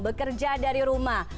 bekerja dari rumah